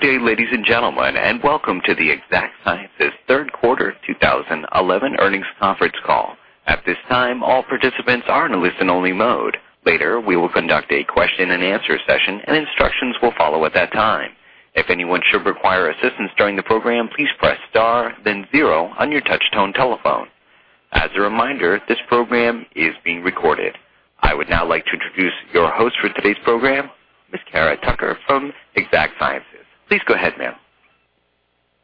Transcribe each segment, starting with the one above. Good day, ladies and gentlemen, and welcome to the Exact Sciences Third Quarter 2011 Earnings Conference Call. At this time, all participants are in a listen-only mode. Later, we will conduct a question-and-answer session, and instructions will follow at that time. If anyone should require assistance during the program, please press star, then zero on your touch-tone telephone. As a reminder, this program is being recorded. I would now like to introduce your host for today's program, Ms. Cara Tucker from Exact Sciences. Please go ahead, ma'am.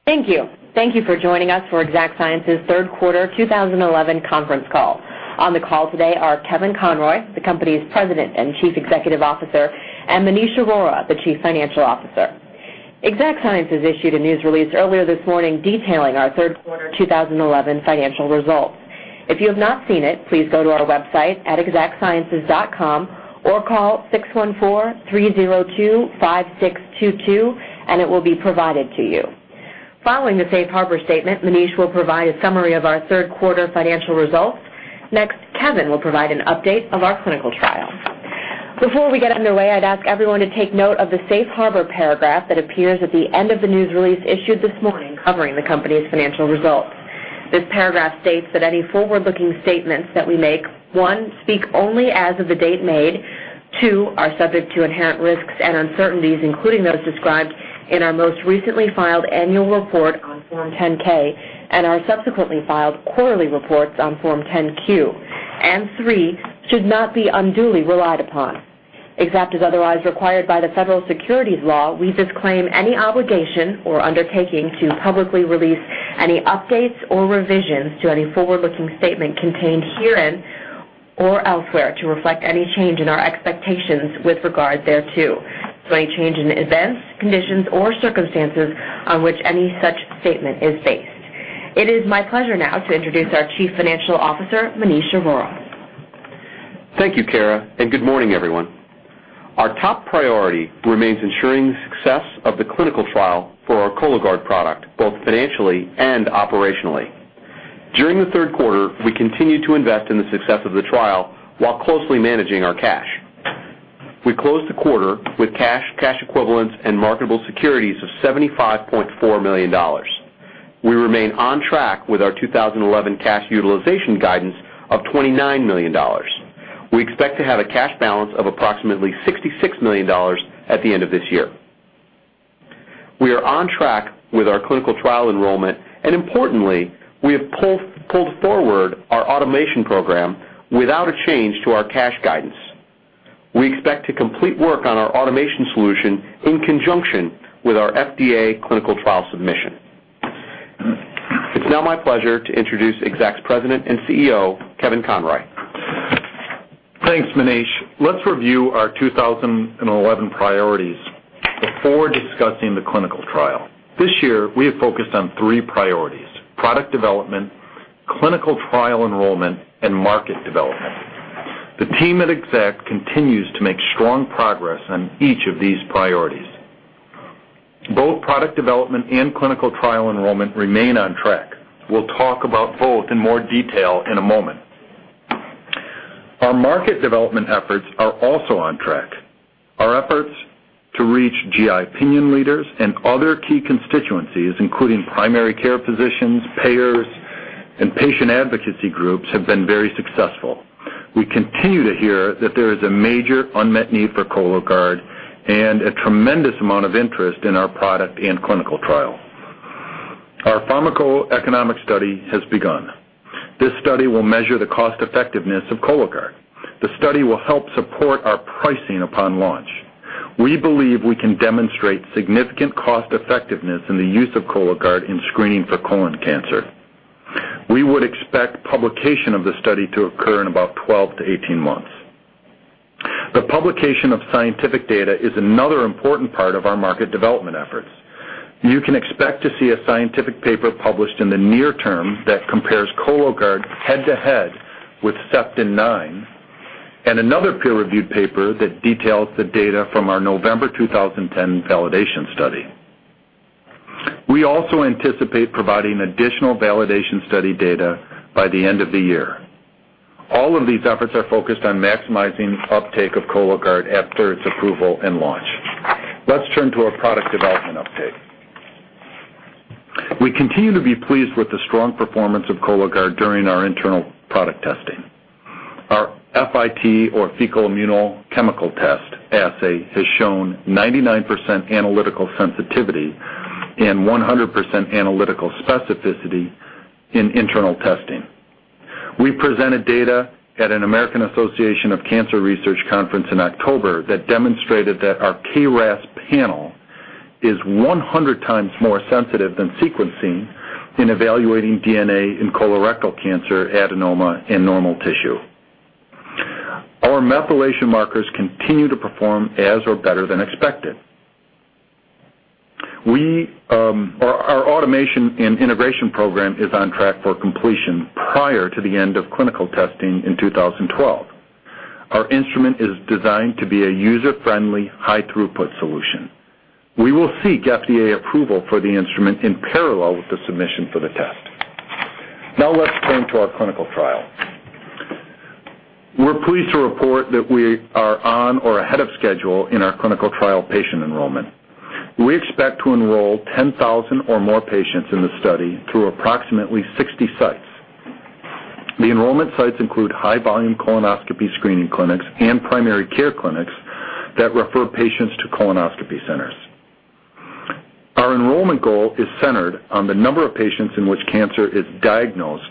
Thank you. Thank you for joining us for Exact Sciences Third Quarter 2011 Conference Call. On the call today are Kevin Conroy, the company's President and Chief Executive Officer; and Maneesh Arora, the Chief Financial Officer. Exact Sciences issued a news release earlier this morning detailing our third quarter 2011 financial results. If you have not seen it, please go to our website at exactsciences.com or call 614-302-5622, and it will be provided to you. Following the Safe Harbor statement, Maneesh will provide a summary of our third quarter financial results. Next, Kevin will provide an update of our clinical trial. Before we get underway, I'd ask everyone to take note of the Safe Harbor paragraph that appears at the end of the news release issued this morning covering the company's financial results. This paragraph states that any forward-looking statements that we make, one, speak only as of the date made, two, are subject to inherent risks and uncertainties, including those described in our most recently filed annual report on Form 10-K and our subsequently filed quarterly reports on Form 10-Q, and three, should not be unduly relied upon. Exact is otherwise required by the federal securities law, we disclaim any obligation or undertaking to publicly release any updates or revisions to any forward-looking statement contained herein or elsewhere to reflect any change in our expectations with regard thereto, or any change in events, conditions, or circumstances on which any such statement is based. It is my pleasure now to introduce our Chief Financial Officer, Maneesh Arora. Thank you, Cara, and good morning, everyone. Our top priority remains ensuring the success of the clinical trial for our Cologuard product, both financially and operationally. During the third quarter, we continue to invest in the success of the trial while closely managing our cash. We closed the quarter with cash, cash equivalents, and marketable securities of $75.4 million. We remain on track with our 2011 cash utilization guidance of $29 million. We expect to have a cash balance of approximately $66 million at the end of this year. We are on track with our clinical trial enrollment, and importantly, we have pulled forward our automation program without a change to our cash guidance. We expect to complete work on our automation solution in conjunction with our FDA clinical trial submission. It's now my pleasure to introduce Exact's President and CEO, Kevin Conroy. Thanks, Maneesh. Let's review our 2011 priorities before discussing the clinical trial. This year, we have focused on three priorities: product development, clinical trial enrollment, and market development. The team at Exact continues to make strong progress on each of these priorities. Both product development and clinical trial enrollment remain on track. We'll talk about both in more detail in a moment. Our market development efforts are also on track. Our efforts to reach GI opinion leaders and other key constituencies, including primary care physicians, payers, and patient advocacy groups, have been very successful. We continue to hear that there is a major unmet need for Cologuard and a tremendous amount of interest in our product and clinical trial. Our pharmacoeconomic study has begun. This study will measure the cost-effectiveness of Cologuard. The study will help support our pricing upon launch. We believe we can demonstrate significant cost-effectiveness in the use of Cologuard in screening for colon cancer. We would expect publication of the study to occur in about 12-18 months. The publication of scientific data is another important part of our market development efforts. You can expect to see a scientific paper published in the near term that compares Cologuard head-to-head with SEPT9 and another peer-reviewed paper that details the data from our November 2010 validation study. We also anticipate providing additional validation study data by the end of the year. All of these efforts are focused on maximizing uptake of Cologuard after its approval and launch. Let's turn to our product development update. We continue to be pleased with the strong performance of Cologuard during our internal product testing. Our FIT, or Fecal Immunochemical Test, assay has shown 99% analytical sensitivity and 100% analytical specificity in internal testing. We presented data at an American Association of Cancer Research conference in October that demonstrated that our KRAS panel is 100 times more sensitive than sequencing in evaluating DNA in colorectal cancer adenoma and normal tissue. Our methylation markers continue to perform as or better than expected. Our automation and integration program is on track for completion prior to the end of clinical testing in 2012. Our instrument is designed to be a user-friendly, high-throughput solution. We will seek FDA approval for the instrument in parallel with the submission for the test. Now, let's turn to our clinical trial. We're pleased to report that we are on or ahead of schedule in our clinical trial patient enrollment. We expect to enroll 10,000 or more patients in the study through approximately 60 sites. The enrollment sites include high-volume colonoscopy screening clinics and primary care clinics that refer patients to colonoscopy centers. Our enrollment goal is centered on the number of patients in which cancer is diagnosed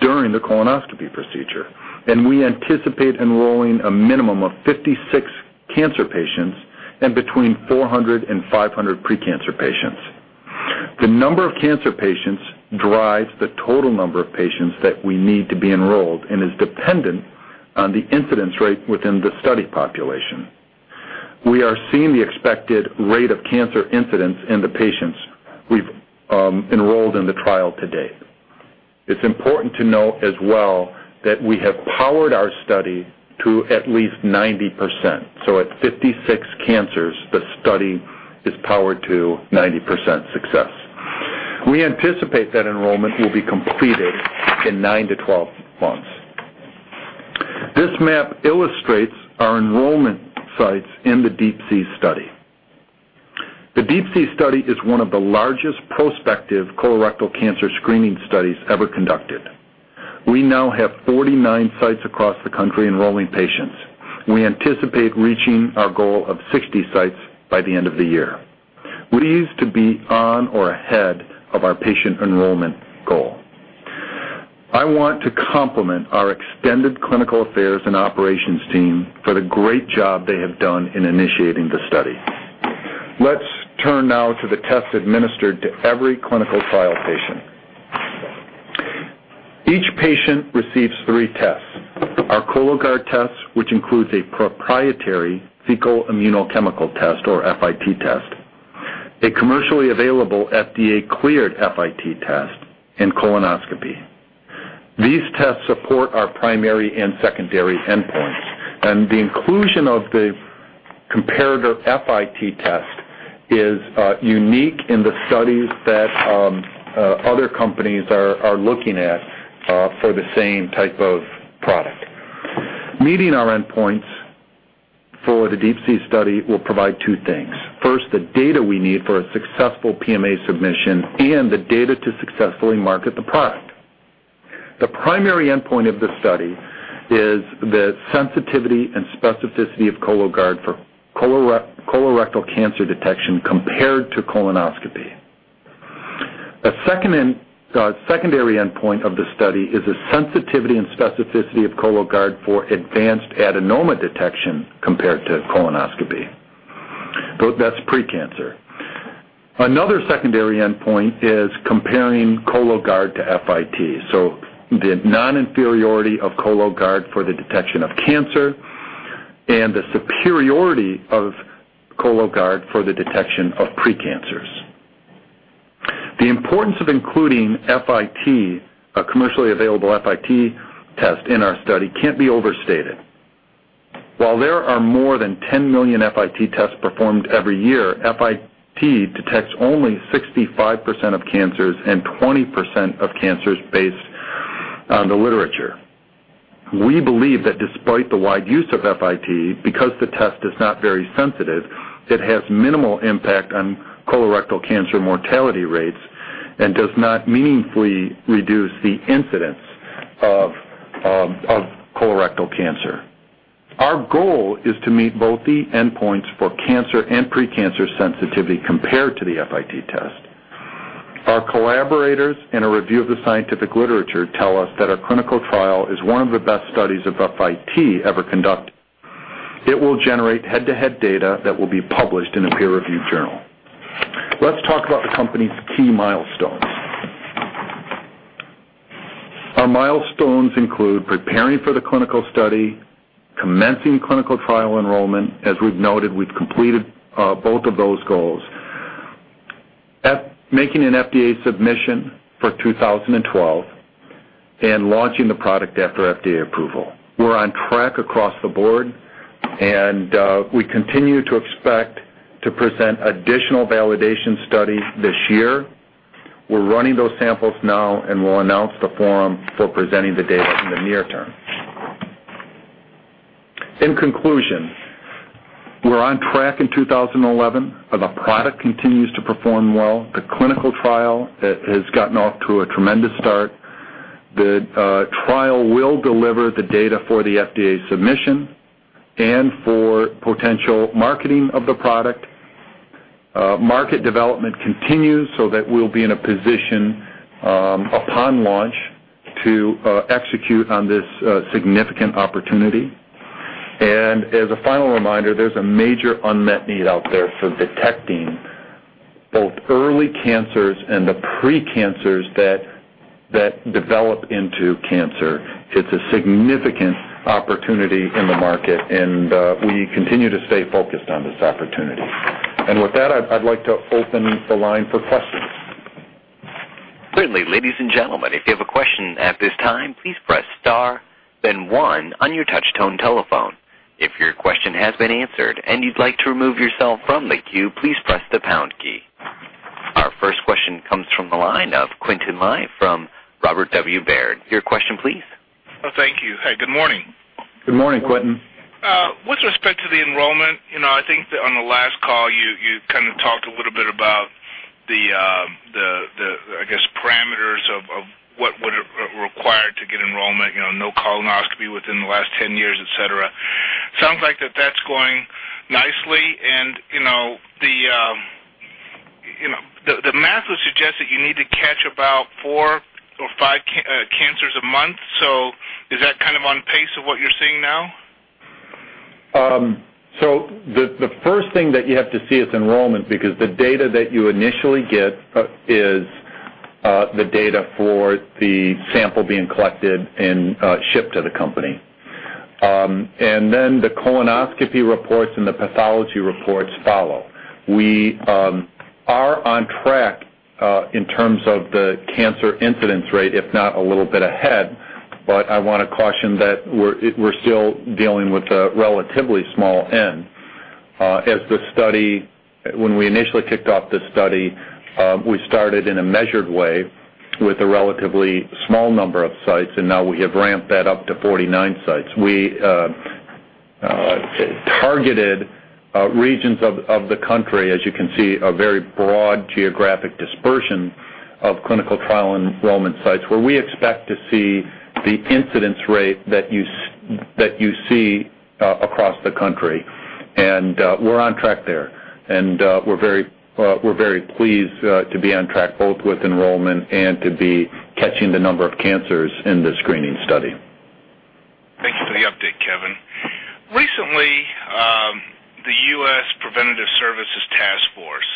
during the colonoscopy procedure, and we anticipate enrolling a minimum of 56 cancer patients and between 400 and 500 precancer patients. The number of cancer patients drives the total number of patients that we need to be enrolled and is dependent on the incidence rate within the study population. We are seeing the expected rate of cancer incidence in the patients we've enrolled in the trial to date. It's important to note as well that we have powered our study to at least 90%. At 56 cancers, the study is powered to 90% success. We anticipate that enrollment will be completed in 9-12 months. This map illustrates our enrollment sites in the Deep Sea study. The Deep Sea study is one of the largest prospective colorectal cancer screening studies ever conducted. We now have 49 sites across the country enrolling patients. We anticipate reaching our goal of 60 sites by the end of the year. We used to be on or ahead of our patient enrollment goal. I want to compliment our extended clinical affairs and operations team for the great job they have done in initiating the study. Let's turn now to the test administered to every clinical trial patient. Each patient receives three tests: our Cologuard test, which includes a proprietary fecal immunochemical test, or FIT test, a commercially available FDA-cleared FIT test, and colonoscopy. These tests support our primary and secondary endpoints, and the inclusion of the comparator FIT test is unique in the studies that other companies are looking at for the same type of product. Meeting our endpoints for the Deep Sea study will provide two things. First, the data we need for a successful PMA submission and the data to successfully market the product. The primary endpoint of the study is the sensitivity and specificity of Cologuard for colorectal cancer detection compared to colonoscopy. A secondary endpoint of the study is the sensitivity and specificity of Cologuard for advanced adenoma detection compared to colonoscopy. That's precancer. Another secondary endpoint is comparing Cologuard to FIT, so the non-inferiority of Cologuard for the detection of cancer and the superiority of Cologuard for the detection of precancers. The importance of including FIT, a commercially available FIT test, in our study can't be overstated. While there are more than 10 million FIT tests performed every year, FIT detects only 65% of cancers and 20% of cancers based on the literature. We believe that despite the wide use of FIT, because the test is not very sensitive, it has minimal impact on colorectal cancer mortality rates and does not meaningfully reduce the incidence of colorectal cancer. Our goal is to meet both the endpoints for cancer and precancer sensitivity compared to the FIT test. Our collaborators and a review of the scientific literature tell us that our clinical trial is one of the best studies of FIT ever conducted. It will generate head-to-head data that will be published in a peer-reviewed journal. Let's talk about the company's key milestones. Our milestones include preparing for the clinical study, commencing clinical trial enrollment. As we've noted, we've completed both of those goals: making an FDA submission for 2012 and launching the product after FDA approval. We're on track across the board, and we continue to expect to present additional validation studies this year. We're running those samples now, and we'll announce the forum for presenting the data in the near term. In conclusion, we're on track in 2011. The product continues to perform well. The clinical trial has gotten off to a tremendous start. The trial will deliver the data for the FDA submission and for potential marketing of the product. Market development continues so that we'll be in a position upon launch to execute on this significant opportunity. As a final reminder, there's a major unmet need out there for detecting both early cancers and the precancers that develop into cancer. It's a significant opportunity in the market, and we continue to stay focused on this opportunity. With that, I'd like to open the line for questions. Certainly, ladies and gentlemen, if you have a question at this time, please press star, then one on your touch-tone telephone. If your question has been answered and you'd like to remove yourself from the queue, please press the pound key. Our first question comes from the line of Quintin Lai from Robert W. Baird. Your question, please. Thank you. Hi, good morning. Good morning, Quintin. With respect to the enrollment, I think that on the last call, you kind of talked a little bit about the, I guess, parameters of what would be required to get enrollment, no colonoscopy within the last 10 years, etc. Sounds like that that's going nicely. The math would suggest that you need to catch about four or five cancers a month. Is that kind of on pace of what you're seeing now? The first thing that you have to see is enrollment because the data that you initially get is the data for the sample being collected and shipped to the company. Then the colonoscopy reports and the pathology reports follow. We are on track in terms of the cancer incidence rate, if not a little bit ahead, but I want to caution that we're still dealing with a relatively small end. As the study, when we initially kicked off the study, we started in a measured way with a relatively small number of sites, and now we have ramped that up to 49 sites. We targeted regions of the country, as you can see, a very broad geographic dispersion of clinical trial enrollment sites where we expect to see the incidence rate that you see across the country. We're on track there. We are very pleased to be on track both with enrollment and to be catching the number of cancers in the screening study. Thank you for the update, Kevin. Recently, the U.S. Preventive Services Task Force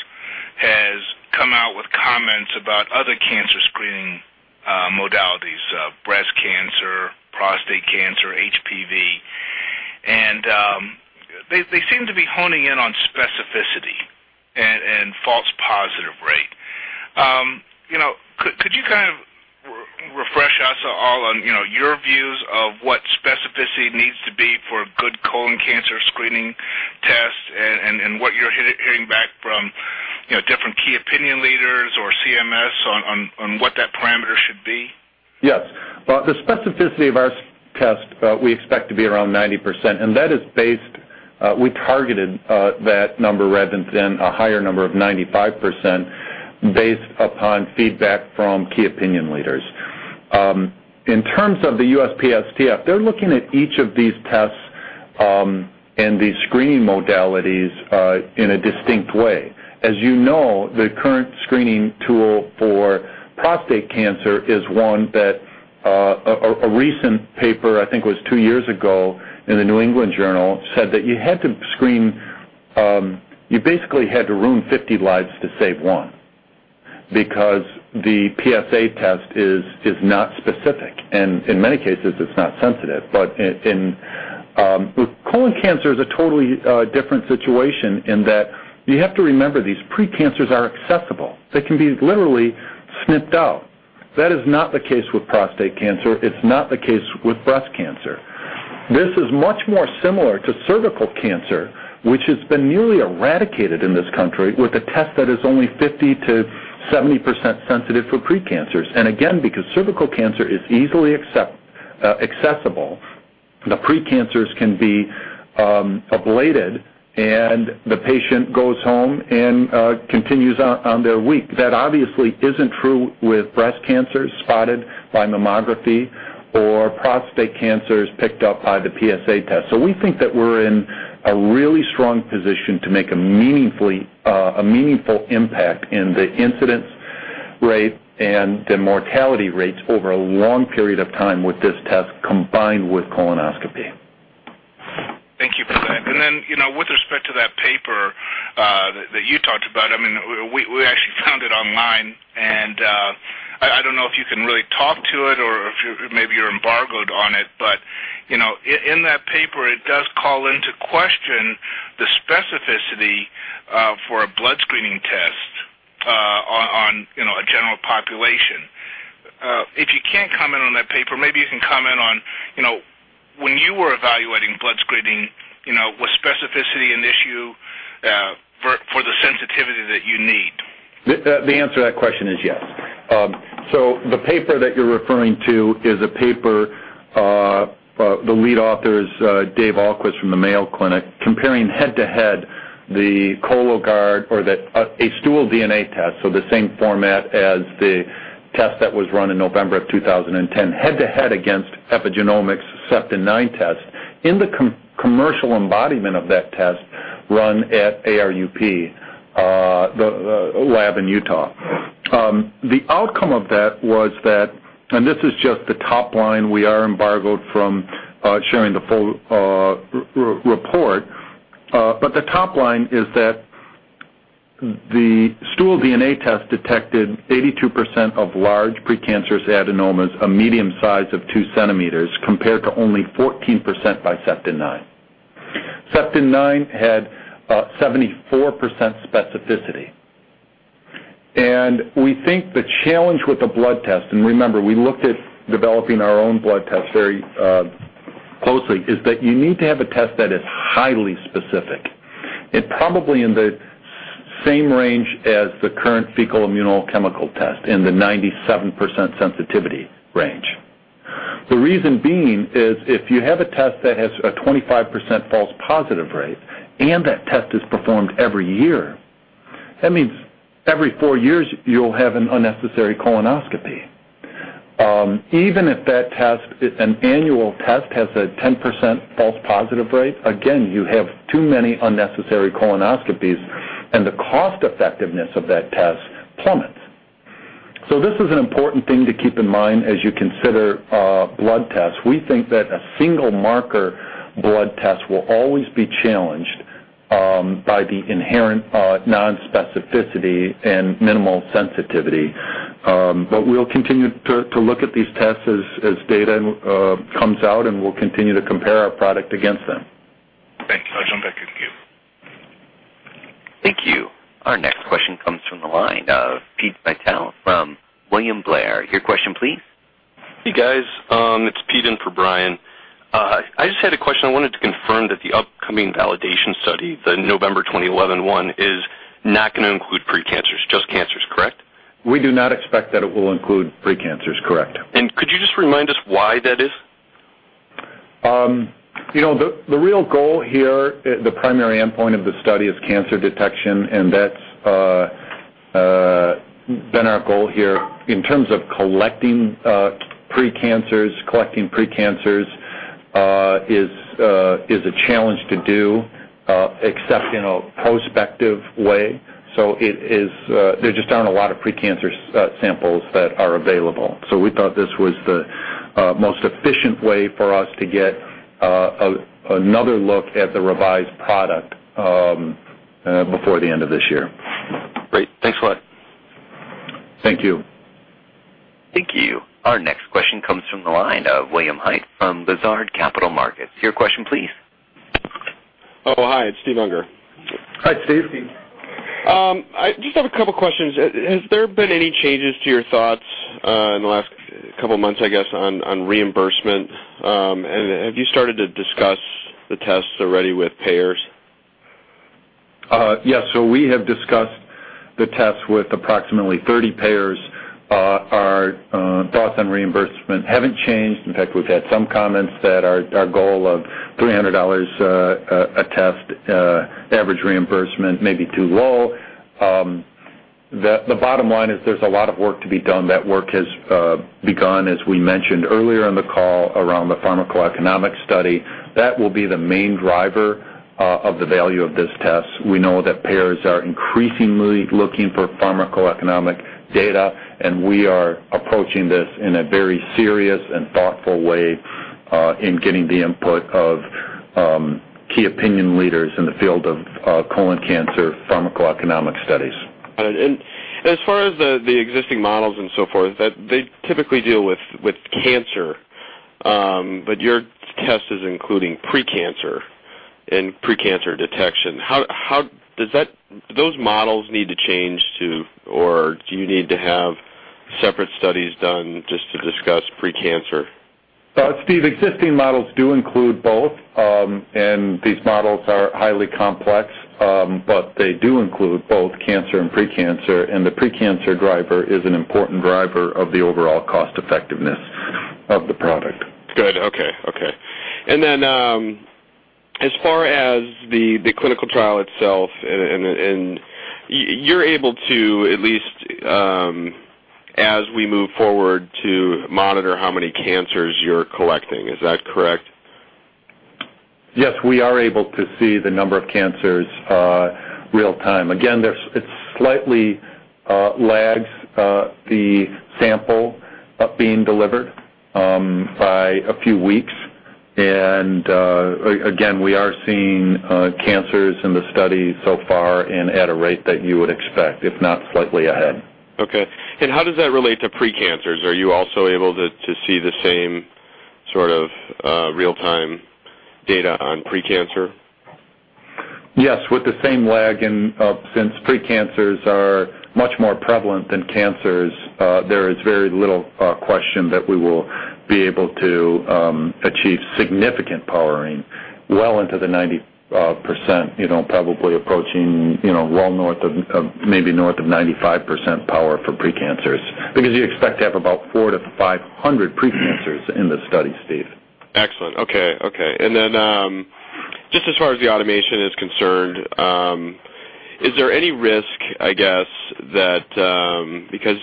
has come out with comments about other cancer screening modalities: breast cancer, prostate cancer, HPV. They seem to be honing in on specificity and false positive rate. Could you kind of refresh us all on your views of what specificity needs to be for good colon cancer screening tests and what you're hearing back from different key opinion leaders or CMS on what that parameter should be? Yes. The specificity of our test, we expect to be around 90%, and that is based we targeted that number rather than a higher number of 95% based upon feedback from key opinion leaders. In terms of the USPSTF, they're looking at each of these tests and these screening modalities in a distinct way. As you know, the current screening tool for prostate cancer is one that a recent paper, I think it was two years ago in the New England Journal, said that you had to screen you basically had to ruin 50 lives to save one because the PSA test is not specific. In many cases, it's not sensitive. With colon cancer, it's a totally different situation in that you have to remember these precancers are accessible. They can be literally snipped out. That is not the case with prostate cancer. It's not the case with breast cancer. This is much more similar to cervical cancer, which has been nearly eradicated in this country with a test that is only 50%-70% sensitive for precancers. Again, because cervical cancer is easily accessible, the precancers can be ablated, and the patient goes home and continues on their week. That obviously isn't true with breast cancers spotted by mammography or prostate cancers picked up by the PSA test. We think that we're in a really strong position to make a meaningful impact in the incidence rate and the mortality rates over a long period of time with this test combined with colonoscopy. Thank you for that. Then with respect to that paper that you talked about, I mean, we actually found it online, and I don't know if you can really talk to it or if maybe you're embargoed on it, but in that paper, it does call into question the specificity for a blood screening test on a general population. If you can't comment on that paper, maybe you can comment on when you were evaluating blood screening, was specificity an issue for the sensitivity that you need? The answer to that question is yes. The paper that you're referring to is a paper the lead author is Dave Alquist from the Mayo Clinic comparing head-to-head the Cologuard or a stool DNA test, so the same format as the test that was run in November of 2010, head-to-head against Epigenomics SEPT9 test in the commercial embodiment of that test run at ARUP Laboratories in Utah. The outcome of that was that, and this is just the top line, we are embargoed from sharing the full report, but the top line is that the stool DNA test detected 82% of large precancerous adenomas, a medium size of two centimeters, compared to only 14% by SEPT9. SEPT9 had 74% specificity. We think the challenge with the blood test, and remember, we looked at developing our own blood test very closely, is that you need to have a test that is highly specific. It is probably in the same range as the current fecal immunochemical test in the 97% sensitivity range. The reason being is if you have a test that has a 25% false positive rate and that test is performed every year, that means every four years you will have an unnecessary colonoscopy. Even if that test, an annual test, has a 10% false positive rate, again, you have too many unnecessary colonoscopies, and the cost-effectiveness of that test plummets. This is an important thing to keep in mind as you consider blood tests. We think that a single marker blood test will always be challenged by the inherent non-specificity and minimal sensitivity. We will continue to look at these tests as data comes out, and we will continue to compare our product against them. Thank you. I'll jump back into the queue. Thank you. Our next question comes from the line of Pete Vitale from William Blair. Your question, please. Hey, guys. It's Pete in for Brian. I just had a question. I wanted to confirm that the upcoming validation study, the November 2011 one, is not going to include precancers, just cancers, correct? We do not expect that it will include precancers, correct. Could you just remind us why that is? The real goal here, the primary endpoint of the study is cancer detection, and that's been our goal here in terms of collecting precancers. Collecting precancers is a challenge to do, except in a prospective way. There just aren't a lot of precancer samples that are available. We thought this was the most efficient way for us to get another look at the revised product before the end of this year. Great. Thanks a lot. Thank you. Thank you. Our next question comes from the line of [William Height] from Lazard Capital Markets. Your question, please. Oh, hi. It's Steve Unger. Hi, Steve. Steve. I just have a couple of questions. Has there been any changes to your thoughts in the last couple of months, I guess, on reimbursement? Have you started to discuss the tests already with payers? Yes. We have discussed the tests with approximately 30 payers. Our thoughts on reimbursement have not changed. In fact, we have had some comments that our goal of $300 a test average reimbursement may be too low. The bottom line is there is a lot of work to be done. That work has begun, as we mentioned earlier in the call, around the pharmacoeconomic study. That will be the main driver of the value of this test. We know that payers are increasingly looking for pharmacoeconomic data, and we are approaching this in a very serious and thoughtful way in getting the input of key opinion leaders in the field of colon cancer pharmacoeconomic studies. As far as the existing models and so forth, they typically deal with cancer, but your test is including precancer and precancer detection. Do those models need to change, or do you need to have separate studies done just to discuss precancer? Steve, existing models do include both, and these models are highly complex, but they do include both cancer and precancer, and the precancer driver is an important driver of the overall cost-effectiveness of the product. Good. Okay. Okay. As far as the clinical trial itself, you're able to, at least as we move forward, monitor how many cancers you're collecting. Is that correct? Yes. We are able to see the number of cancers real-time. Again, it slightly lags the sample being delivered by a few weeks. Again, we are seeing cancers in the study so far at a rate that you would expect, if not slightly ahead. Okay. How does that relate to precancers? Are you also able to see the same sort of real-time data on precancer? Yes. With the same lag, since precancers are much more prevalent than cancers, there is very little question that we will be able to achieve significant powering well into the 90%, probably approaching well north of, maybe north of, 95% power for precancers because you expect to have about 400-500 precancers in the study, Steve. Excellent. Okay. Okay. And then just as far as the automation is concerned, is there any risk, I guess, that because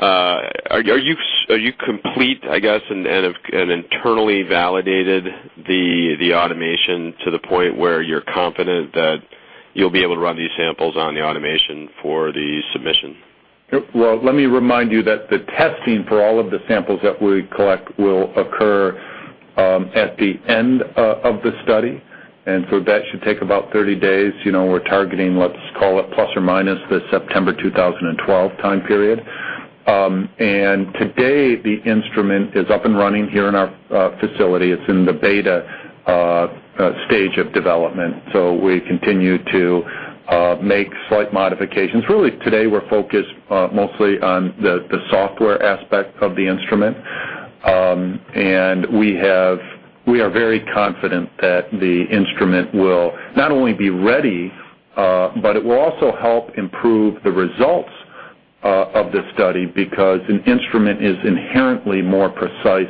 are you complete, I guess, and internally validated the automation to the point where you're confident that you'll be able to run these samples on the automation for the submission? Let me remind you that the testing for all of the samples that we collect will occur at the end of the study. That should take about 30 days. We're targeting, let's call it plus or minus the September 2012 time period. Today, the instrument is up and running here in our facility. It's in the beta stage of development. We continue to make slight modifications. Really, today, we're focused mostly on the software aspect of the instrument. We are very confident that the instrument will not only be ready, but it will also help improve the results of the study because an instrument is inherently more precise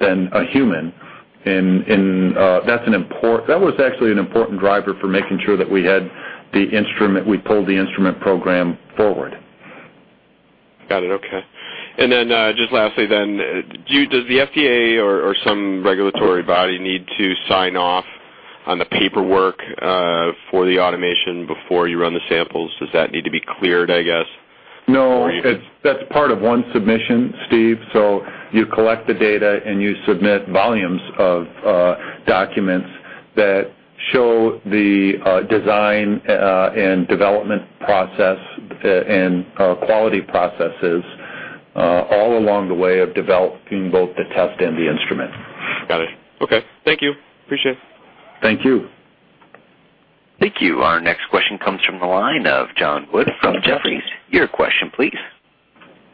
than a human. That was actually an important driver for making sure that we had the instrument; we pulled the instrument program forward. Got it. Okay. And then just lastly, does the FDA or some regulatory body need to sign off on the paperwork for the automation before you run the samples? Does that need to be cleared, I guess, or you? No. That's part of one submission, Steve. You collect the data, and you submit volumes of documents that show the design and development process and quality processes all along the way of developing both the test and the instrument. Got it. Okay. Thank you. Appreciate it. Thank you. Thank you. Our next question comes from the line of John Wood from Jefferies. Your question, please.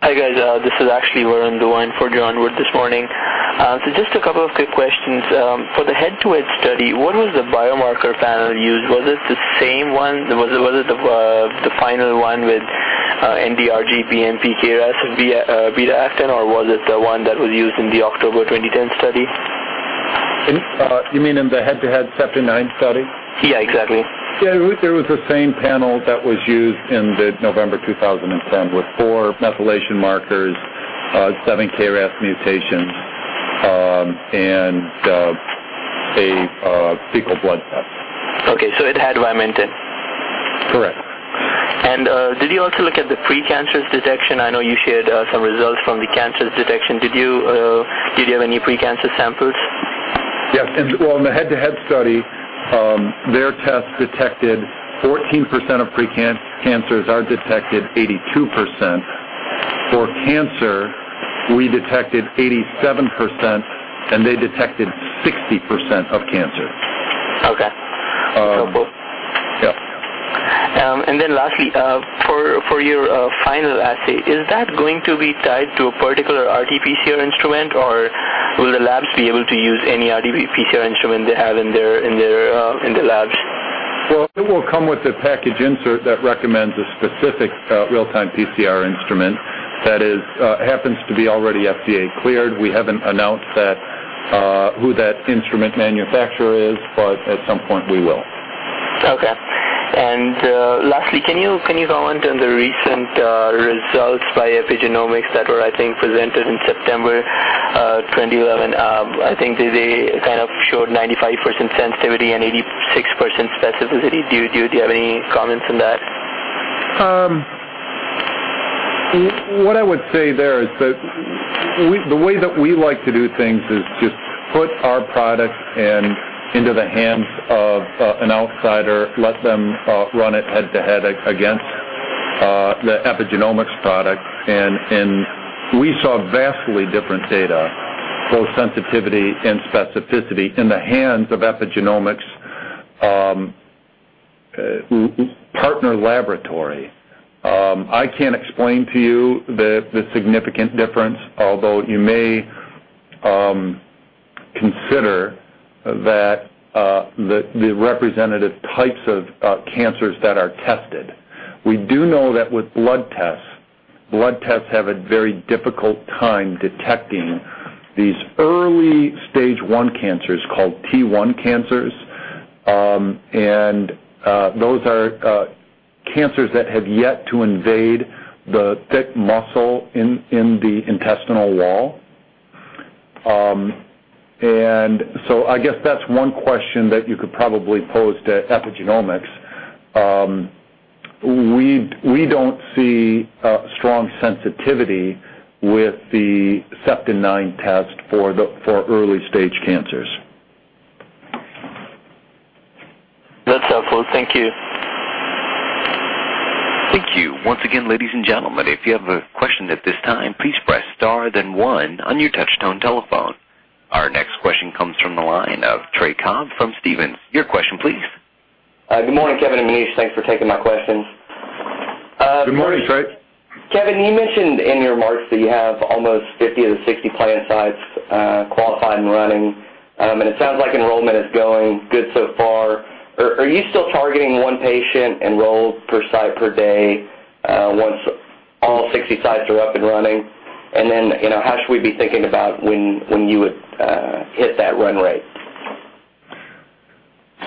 Hi, guys. This is Ashley. We're on the line for John Wood this morning. So just a couple of quick questions. For the head-to-head study, what was the biomarker panel used? Was it the same one? Was it the final one with NDRG, BMP, KRAS, and beta-actin, or was it the one that was used in the October 2010 study? You mean in the head-to-head SEPT9 study? Yeah, exactly. Yeah. It was the same panel that was used in November 2010 with four methylation markers, seven KRAS mutations, and a fecal blood test. Okay. So it had [lementa]. Correct. Did you also look at the precancerous detection? I know you shared some results from the cancer detection. Did you have any precancer samples? Yes. In the head-to-head study, their test detected 14% of precancers are detected, 82%. For cancer, we detected 87%, and they detected 60% of cancer. Okay. Helpful. Yeah. Lastly, for your final assay, is that going to be tied to a particular RT-PCR instrument, or will the labs be able to use any RT-PCR instrument they have in their labs? It will come with the package insert that recommends a specific real-time PCR instrument that happens to be already FDA cleared. We haven't announced who that instrument manufacturer is, but at some point, we will. Okay. Lastly, can you comment on the recent results by Epigenomics that were, I think, presented in September 2011? I think they kind of showed 95% sensitivity and 86% specificity. Do you have any comments on that? What I would say there is that the way that we like to do things is just put our product into the hands of an outsider, let them run it head-to-head against the Epigenomics product. We saw vastly different data, both sensitivity and specificity, in the hands of Epigenomics' partner laboratory. I can't explain to you the significant difference, although you may consider that the representative types of cancers that are tested. We do know that with blood tests, blood tests have a very difficult time detecting these early stage I cancers called T1 cancers. Those are cancers that have yet to invade the thick muscle in the intestinal wall. I guess that's one question that you could probably pose to Epigenomics. We don't see strong sensitivity with the SEPT9 test for early stage cancers. That's helpful. Thank you. Thank you. Once again, ladies and gentlemen, if you have a question at this time, please press star, then one on your touch-tone telephone. Our next question comes from the line of Trey Cobb from Stephens. Your question, please. Good morning, Kevin and Maneesh. Thanks for taking my questions. Good morning, Trey. Kevin, you mentioned in your remarks that you have almost 50-60 client sites qualified and running. It sounds like enrollment is going good so far. Are you still targeting one patient enrolled per site per day once all 60 sites are up and running? How should we be thinking about when you would hit that run rate?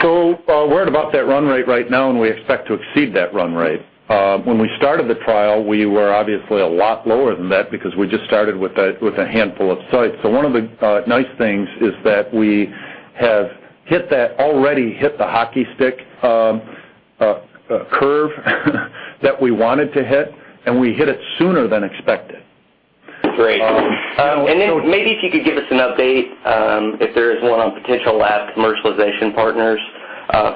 We're at about that run rate right now, and we expect to exceed that run rate. When we started the trial, we were obviously a lot lower than that because we just started with a handful of sites. One of the nice things is that we have already hit the hockey stick curve that we wanted to hit, and we hit it sooner than expected. Great. Maybe if you could give us an update if there is one on potential lab commercialization partners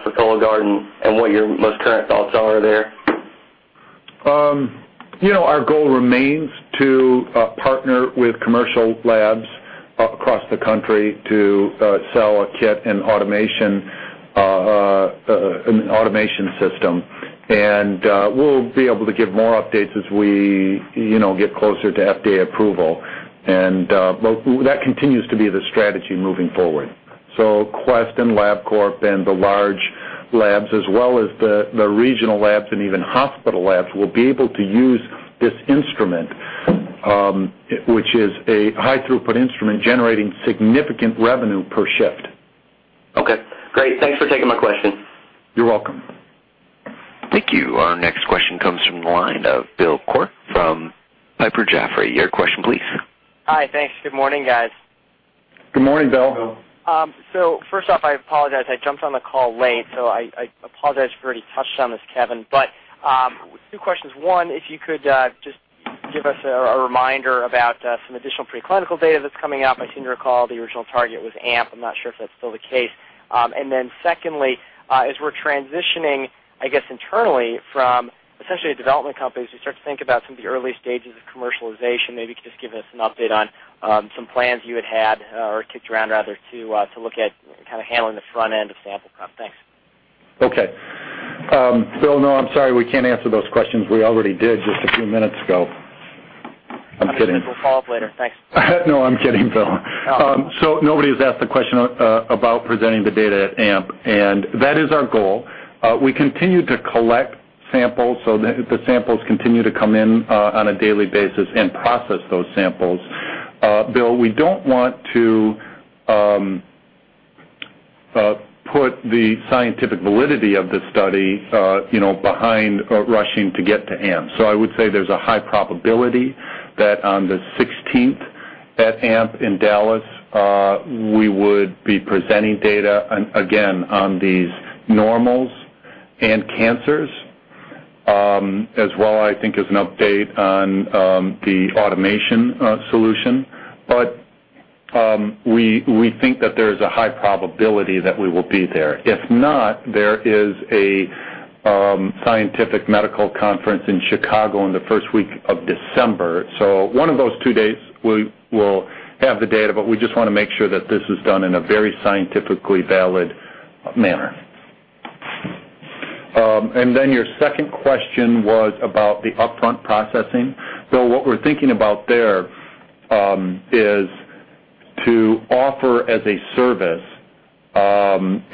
for Cologuard and what your most current thoughts are there. Our goal remains to partner with commercial labs across the country to sell a kit and automation system. We will be able to give more updates as we get closer to FDA approval. That continues to be the strategy moving forward. Quest and LabCorp and the large labs, as well as the regional labs and even hospital labs, will be able to use this instrument, which is a high-throughput instrument generating significant revenue per shift. Okay. Great. Thanks for taking my question. You're welcome. Thank you. Our next question comes from the line of Bill Corke from Piper Jaffray. Your question, please. Hi. Thanks. Good morning, guys. Good morning, Bill. First off, I apologize. I jumped on the call late, so I apologize if we already touched on this, Kevin. Two questions. One, if you could just give us a reminder about some additional preclinical data that's coming out. I seem to recall the original target was AMP. I'm not sure if that's still the case. Secondly, as we're transitioning, I guess, internally from essentially development companies, we start to think about some of the early stages of commercialization. Maybe you could just give us an update on some plans you had had or kicked around, rather, to look at kind of handling the front end of sample prep. Thanks. Okay. Bill, no, I'm sorry. We can't answer those questions. We already did just a few minutes ago. I'm kidding. We'll follow up later. Thanks. No, I'm kidding, Bill. Nobody has asked the question about presenting the data at AMP, and that is our goal. We continue to collect samples so that the samples continue to come in on a daily basis and process those samples. Bill, we don't want to put the scientific validity of the study behind rushing to get to AMP. I would say there's a high probability that on the 16th at AMP in Dallas, we would be presenting data again on these normals and cancers, as well, I think, as an update on the automation solution. We think that there is a high probability that we will be there. If not, there is a scientific medical conference in Chicago in the first week of December. One of those two days, we'll have the data, but we just want to make sure that this is done in a very scientifically valid manner. Your second question was about the upfront processing. Bill, what we're thinking about there is to offer as a service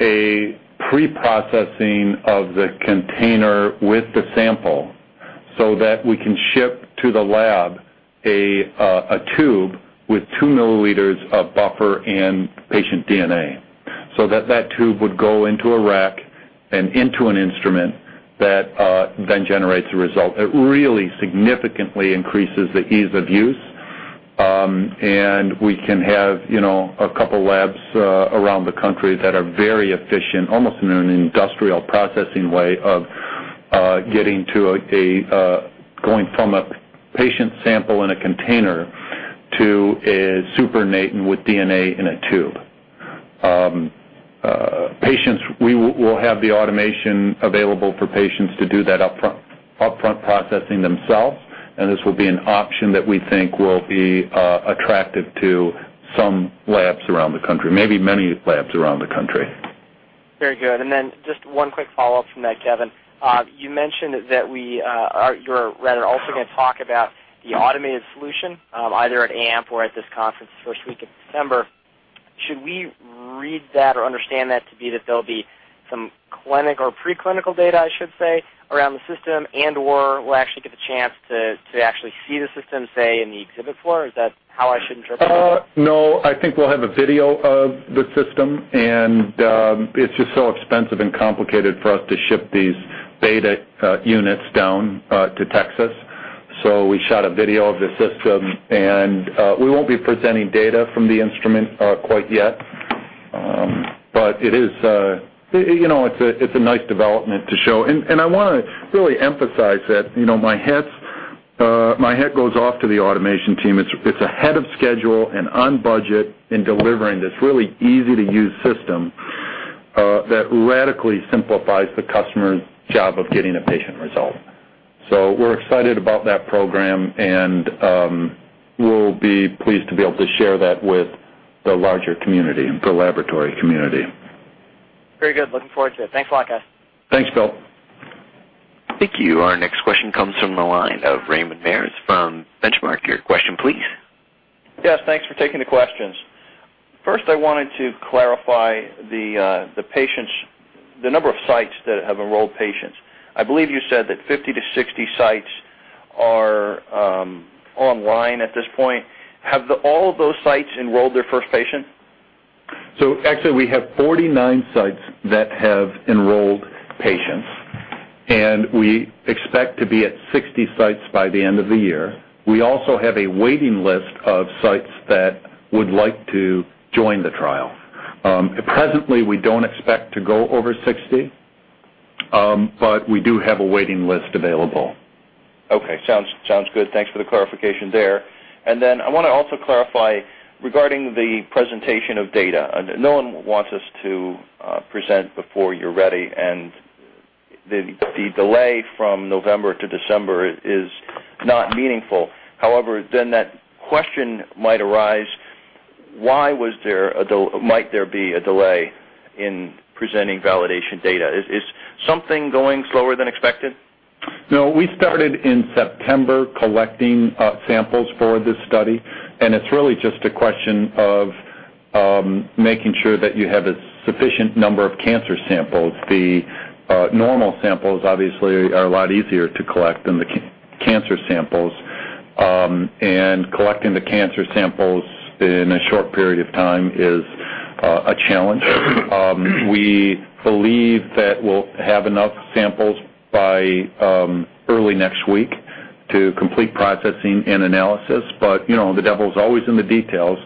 a pre-processing of the container with the sample so that we can ship to the lab a tube with two milliliters of buffer and patient DNA. That tube would go into a rack and into an instrument that then generates a result. It really significantly increases the ease of use. We can have a couple of labs around the country that are very efficient, almost in an industrial processing way of getting from a patient sample in a container to a supernatant with DNA in a tube. We will have the automation available for patients to do that upfront processing themselves. This will be an option that we think will be attractive to some labs around the country, maybe many labs around the country. Very good. Just one quick follow-up from that, Kevin. You mentioned that you're also going to talk about the automated solution either at AMP or at this conference the first week of December. Should we read that or understand that to be that there'll be some clinic or preclinical data, I should say, around the system and/or we'll actually get the chance to actually see the system, say, in the exhibit floor? Is that how I should interpret it? No. I think we'll have a video of the system. It is just so expensive and complicated for us to ship these beta units down to Texas. We shot a video of the system. We will not be presenting data from the instrument quite yet. It is a nice development to show. I want to really emphasize that my hat goes off to the automation team. It is ahead of schedule and on budget in delivering this really easy-to-use system that radically simplifies the customer's job of getting a patient result. We are excited about that program, and we will be pleased to be able to share that with the larger community and the laboratory community. Very good. Looking forward to it. Thanks a lot, guys. Thanks, Bill. Thank you. Our next question comes from the line of Raymond Mares from Benchmark. Your question, please. Yes. Thanks for taking the questions. First, I wanted to clarify the number of sites that have enrolled patients. I believe you said that 50-60 sites are online at this point. Have all of those sites enrolled their first patient? Actually, we have 49 sites that have enrolled patients. We expect to be at 60 sites by the end of the year. We also have a waiting list of sites that would like to join the trial. Presently, we do not expect to go over 60, but we do have a waiting list available. Okay. Sounds good. Thanks for the clarification there. I want to also clarify regarding the presentation of data. No one wants us to present before you're ready. The delay from November to December is not meaningful. However, that question might arise, why might there be a delay in presenting validation data? Is something going slower than expected? No. We started in September collecting samples for this study. It is really just a question of making sure that you have a sufficient number of cancer samples. The normal samples, obviously, are a lot easier to collect than the cancer samples. Collecting the cancer samples in a short period of time is a challenge. We believe that we will have enough samples by early next week to complete processing and analysis. The devil is always in the details.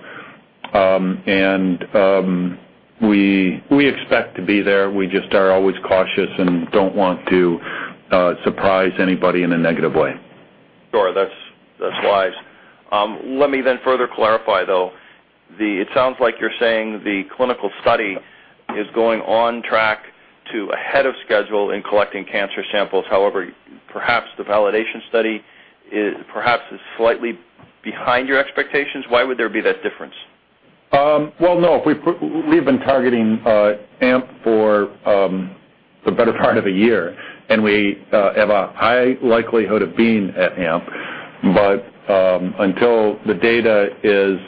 We expect to be there. We just are always cautious and do not want to surprise anybody in a negative way. Sure. That's wise. Let me then further clarify, though. It sounds like you're saying the clinical study is going on track to ahead of schedule in collecting cancer samples. However, perhaps the validation study perhaps is slightly behind your expectations. Why would there be that difference? We have been targeting AMP for the better part of a year, and we have a high likelihood of being at AMP. However, until the data is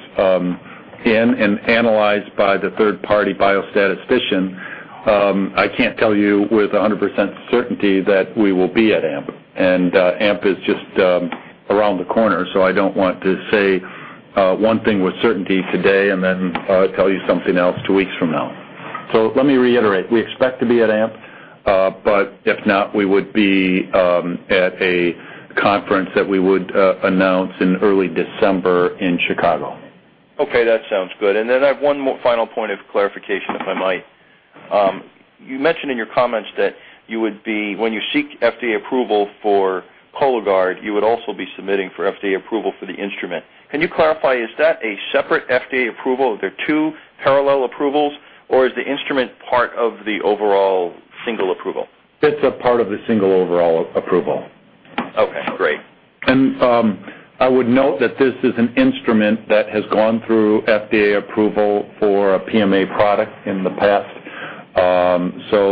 in and analyzed by the third-party biostatistician, I cannot tell you with 100% certainty that we will be at AMP. AMP is just around the corner. I do not want to say one thing with certainty today and then tell you something else two weeks from now. Let me reiterate. We expect to be at AMP. If not, we would be at a conference that we would announce in early December in Chicago. Okay. That sounds good. I have one final point of clarification, if I might. You mentioned in your comments that when you seek FDA approval for Cologuard, you would also be submitting for FDA approval for the instrument. Can you clarify, is that a separate FDA approval? Are there two parallel approvals? Is the instrument part of the overall single approval? It's a part of the single overall approval. Okay. Great. I would note that this is an instrument that has gone through FDA approval for a PMA product in the past.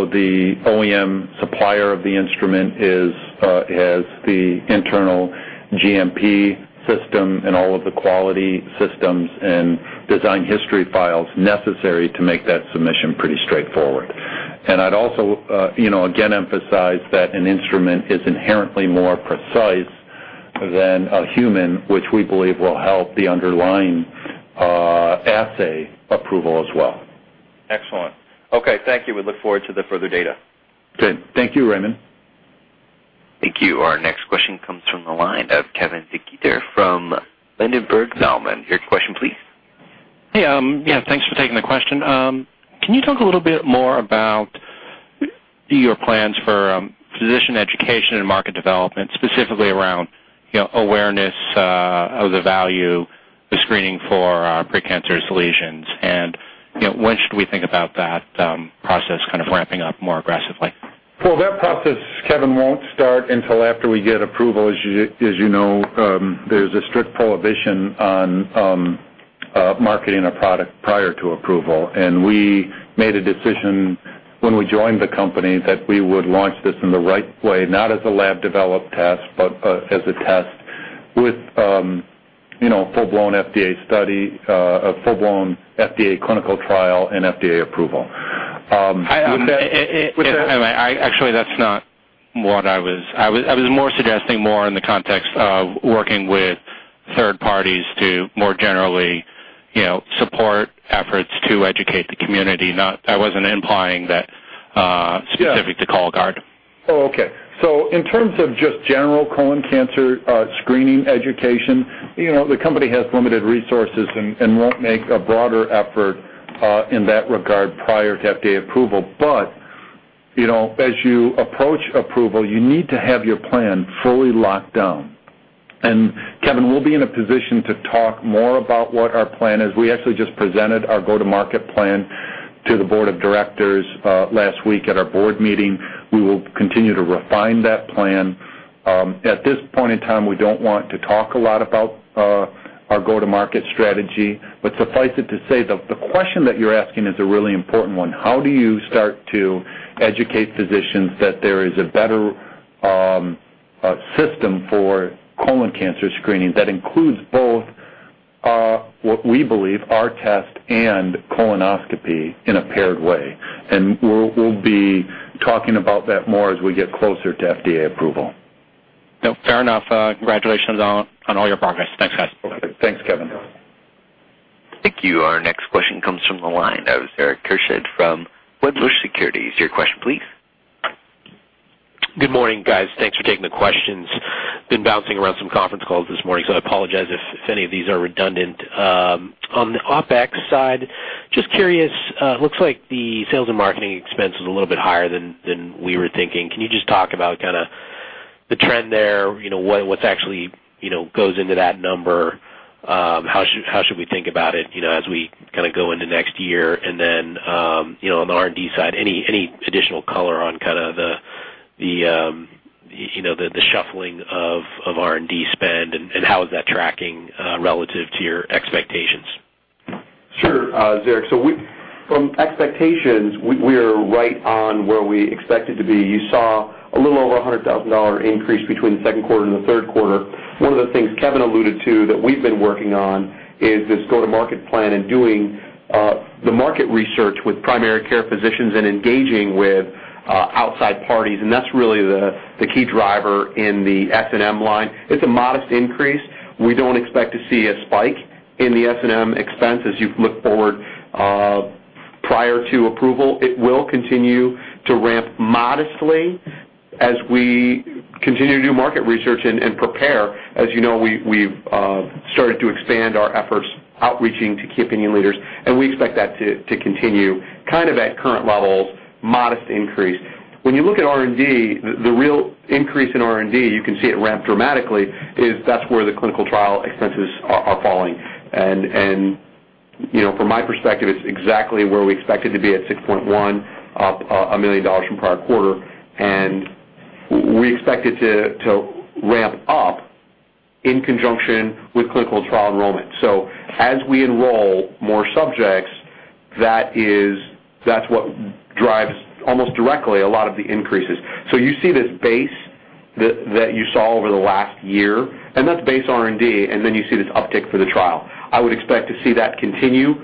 The OEM supplier of the instrument has the internal GMP system and all of the quality systems and design history files necessary to make that submission pretty straightforward. I'd also, again, emphasize that an instrument is inherently more precise than a human, which we believe will help the underlying assay approval as well. Excellent. Okay. Thank you. We look forward to the further data. Okay. Thank you, Raymond. Thank you. Our next question comes from the line of Kevin Zeketer from Lindenberg. Now, your question, please. Hi. Yeah. Thanks for taking the question. Can you talk a little bit more about your plans for physician education and market development, specifically around awareness of the value of screening for precancerous lesions? When should we think about that process kind of ramping up more aggressively? That process, Kevin, won't start until after we get approval. As you know, there's a strict prohibition on marketing a product prior to approval. We made a decision when we joined the company that we would launch this in the right way, not as a lab-developed test, but as a test with a full-blown FDA study, a full-blown FDA clinical trial, and FDA approval. Actually, that's not what I was more suggesting, more in the context of working with third parties to more generally support efforts to educate the community. I wasn't implying that specific to Cologuard. Oh, okay. In terms of just general colon cancer screening education, the company has limited resources and won't make a broader effort in that regard prior to FDA approval. As you approach approval, you need to have your plan fully locked down. Kevin, we'll be in a position to talk more about what our plan is. We actually just presented our go-to-market plan to the board of directors last week at our board meeting. We will continue to refine that plan. At this point in time, we don't want to talk a lot about our go-to-market strategy. Suffice it to say, the question that you're asking is a really important one. How do you start to educate physicians that there is a better system for colon cancer screening that includes both what we believe are tests and colonoscopy in a paired way? We will be talking about that more as we get closer to FDA approval. Fair enough. Congratulations on all your progress. Thanks, guys. Perfect. Thanks, Kevin. Thank you. Our next question comes from the line of Eric Kirschhead from [Lindenburg Securities]. Is your question, please? Good morning, guys. Thanks for taking the questions. Been bouncing around some conference calls this morning, so I apologize if any of these are redundant. On the OpEx side, just curious, looks like the sales and marketing expense is a little bit higher than we were thinking. Can you just talk about kind of the trend there, what actually goes into that number, how should we think about it as we kind of go into next year? And then on the R&D side, any additional color on kind of the shuffling of R&D spend and how is that tracking relative to your expectations? Sure. Eric, so from expectations, we are right on where we expected to be. You saw a little over a $100,000 increase between the second quarter and the third quarter. One of the things Kevin alluded to that we've been working on is this go-to-market plan and doing the market research with primary care physicians and engaging with outside parties. That is really the key driver in the S&M line. It's a modest increase. We don't expect to see a spike in the S&M expense as you look forward prior to approval. It will continue to ramp modestly as we continue to do market research and prepare. As you know, we've started to expand our efforts outreaching to key opinion leaders. We expect that to continue kind of at current levels, modest increase. When you look at R&D, the real increase in R&D, you can see it ramp dramatically, is that's where the clinical trial expenses are falling. From my perspective, it's exactly where we expected to be at $6.1 million, up a million dollars from prior quarter. We expect it to ramp up in conjunction with clinical trial enrollment. As we enroll more subjects, that's what drives almost directly a lot of the increases. You see this base that you saw over the last year. That's base R&D. Then you see this uptick for the trial. I would expect to see that continue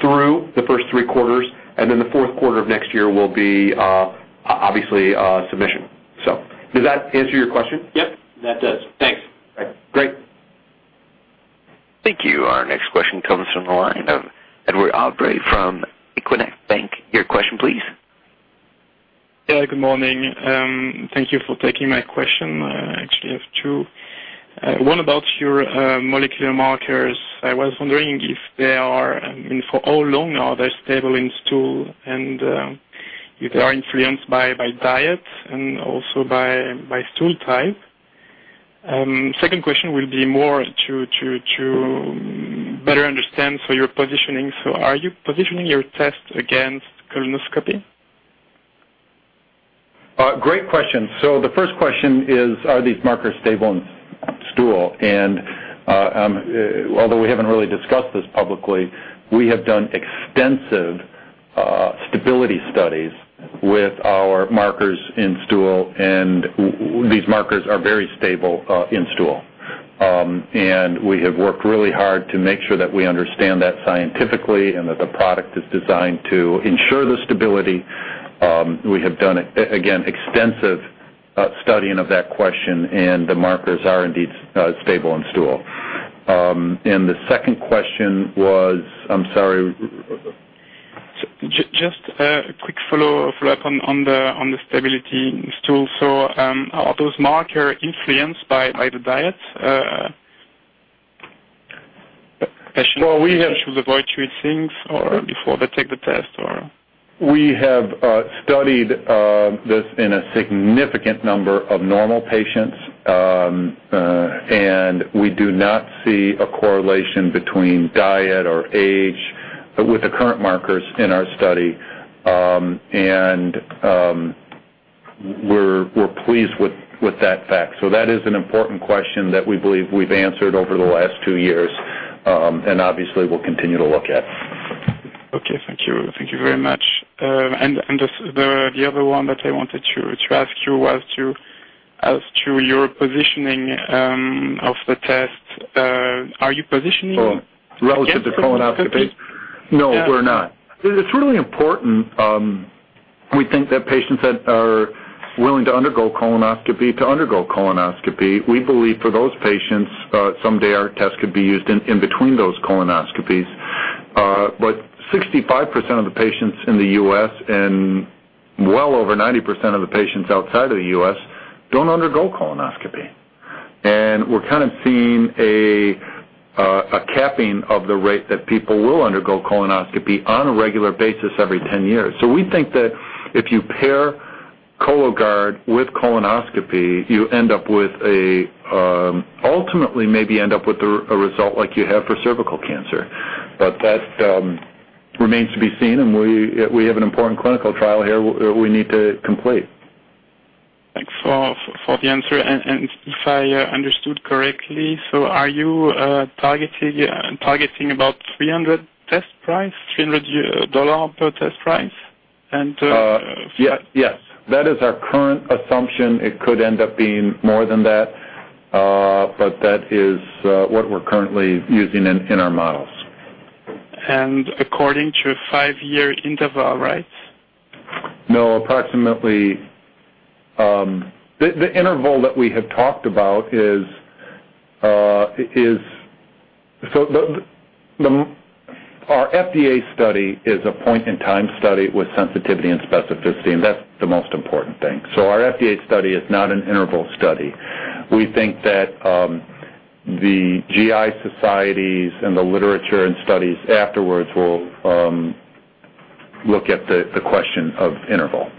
through the first three quarters. The fourth quarter of next year will be obviously submission. Does that answer your question? Yep. That does. Thanks. Okay. Great. Thank you. Our next question comes from the line of Edward Albrecht from Equinox Bank. Your question, please. Yeah. Good morning. Thank you for taking my question. Actually, I have two. One about your molecular markers. I was wondering if they are for how long are they stable in stool and if they are influenced by diet and also by stool type. Second question will be more to better understand your positioning. So are you positioning your test against colonoscopy? Great question. The first question is, are these markers stable in stool? Although we haven't really discussed this publicly, we have done extensive stability studies with our markers in stool. These markers are very stable in stool. We have worked really hard to make sure that we understand that scientifically and that the product is designed to ensure the stability. We have done, again, extensive studying of that question. The markers are indeed stable in stool. The second question was, I'm sorry. Just a quick follow-up on the stability in stool. Are those markers influenced by the diet? We have. Should avoid certain things before they take the test or? We have studied this in a significant number of normal patients. We do not see a correlation between diet or age with the current markers in our study. We are pleased with that fact. That is an important question that we believe we have answered over the last two years and obviously will continue to look at. Okay. Thank you. Thank you very much. The other one that I wanted to ask you was to ask you your positioning of the test. Are you positioning? Relative to colonoscopy? No. No, we're not. It's really important. We think that patients that are willing to undergo colonoscopy to undergo colonoscopy. We believe for those patients, someday our test could be used in between those colonoscopies. But 65% of the patients in the U.S. and well over 90% of the patients outside of the U.S. don't undergo colonoscopy. We're kind of seeing a capping of the rate that people will undergo colonoscopy on a regular basis every 10 years. We think that if you pair Cologuard with colonoscopy, you end up with a ultimately maybe end up with a result like you have for cervical cancer. That remains to be seen. We have an important clinical trial here we need to complete. Thanks for the answer. If I understood correctly, are you targeting about $300 per test price? Yes. That is our current assumption. It could end up being more than that. That is what we're currently using in our models. According to a five-year interval, right? No. Approximately the interval that we have talked about is, so our FDA study is a point-in-time study with sensitivity and specificity. That is the most important thing. Our FDA study is not an interval study. We think that the GI societies and the literature and studies afterwards will look at the question of interval.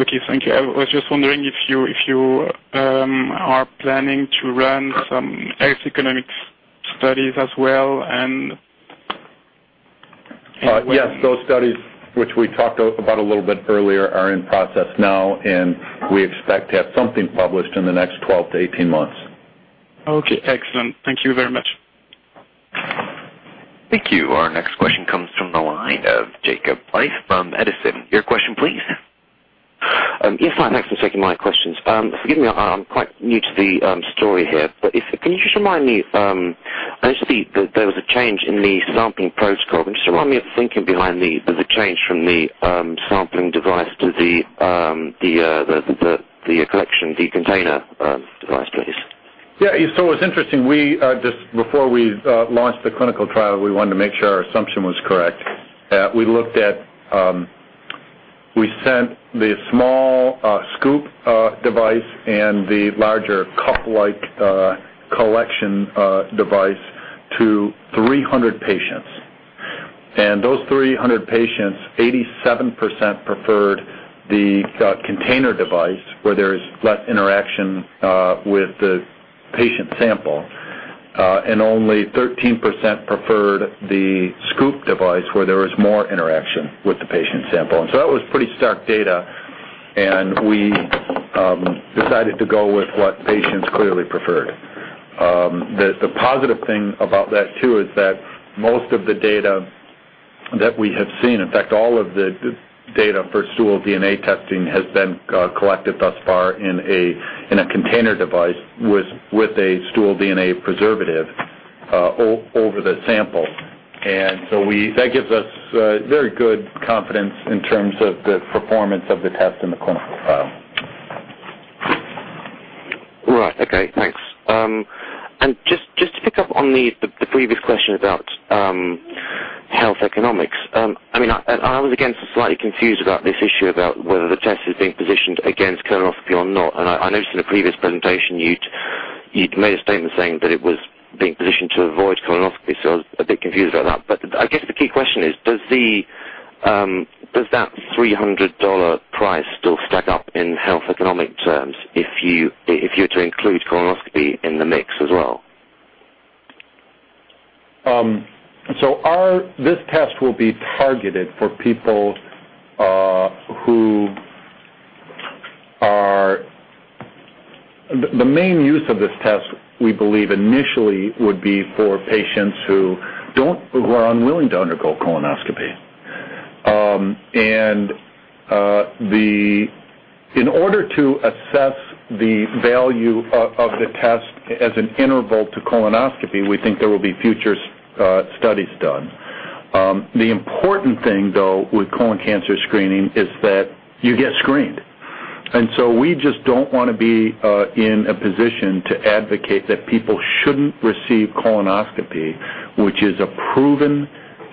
Okay. Thank you. I was just wondering if you are planning to run some economic studies as well. Yes. Those studies, which we talked about a little bit earlier, are in process now. We expect to have something published in the next 12-18 months. Okay. Excellent. Thank you very much. Thank you. Our next question comes from the line of Jacob Lice from Edison. Your question, please. Yes. My thanks for taking my questions. Forgive me. I'm quite new to the story here. If you can just remind me, I see that there was a change in the sampling protocol. Can you just remind me of the thinking behind the change from the sampling device to the collection, the container device, please? Yeah. So it's interesting. Before we launched the clinical trial, we wanted to make sure our assumption was correct. We looked at we sent the small scoop device and the larger cup-like collection device to 300 patients. And those 300 patients, 87% preferred the container device where there is less interaction with the patient sample. And only 13% preferred the scoop device where there is more interaction with the patient sample. That was pretty stark data. We decided to go with what patients clearly preferred. The positive thing about that too is that most of the data that we have seen, in fact, all of the data for stool DNA testing has been collected thus far in a container device with a stool DNA preservative over the sample. That gives us very good confidence in terms of the performance of the test in the clinical trial. Right. Okay. Thanks. And just to pick up on the previous question about health economics, I mean, I was again slightly confused about this issue about whether the test is being positioned against colonoscopy or not. I noticed in a previous presentation, you'd made a statement saying that it was being positioned to avoid colonoscopy. I was a bit confused about that. I guess the key question is, does that $300 price still stack up in health economic terms if you were to include colonoscopy in the mix as well? This test will be targeted for people who are the main use of this test, we believe, initially would be for patients who are unwilling to undergo colonoscopy. In order to assess the value of the test as an interval to colonoscopy, we think there will be future studies done. The important thing, though, with colon cancer screening is that you get screened. We just do not want to be in a position to advocate that people should not receive colonoscopy, which is a proven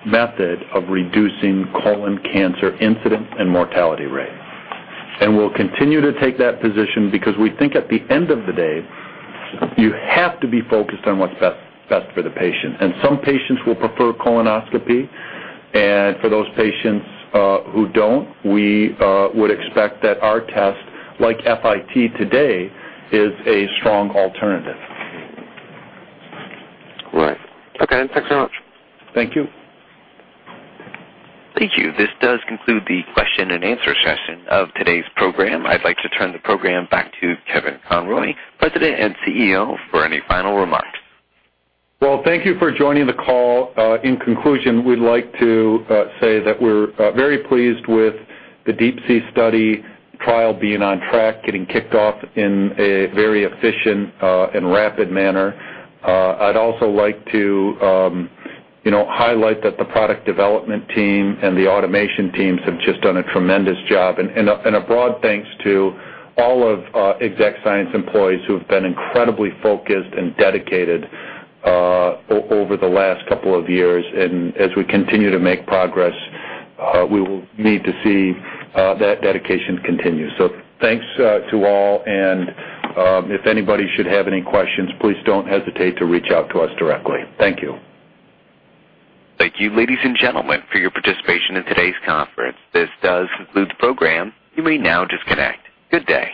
method of reducing colon cancer incidence and mortality rate. We will continue to take that position because we think at the end of the day, you have to be focused on what is best for the patient. Some patients will prefer colonoscopy. For those patients who do not, we would expect that our test, like FIT today, is a strong alternative. Right. Okay. Thanks very much. Thank you. Thank you. This does conclude the question and answer session of today's program. I'd like to turn the program back to Kevin Conroy, President and CEO, for any final remarks. Thank you for joining the call. In conclusion, we'd like to say that we're very pleased with the Deep Sea study trial being on track, getting kicked off in a very efficient and rapid manner. I'd also like to highlight that the product development team and the automation teams have just done a tremendous job. A broad thanks to all of Exact Sciences employees who have been incredibly focused and dedicated over the last couple of years. As we continue to make progress, we will need to see that dedication continue. Thanks to all. If anybody should have any questions, please don't hesitate to reach out to us directly. Thank you. Thank you, ladies and gentlemen, for your participation in today's conference. This does conclude the program. You may now disconnect. Good day.